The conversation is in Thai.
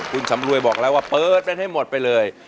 คุณสำรวยบอกแล้วว่าเปิดเป็นให้หมดไปเลย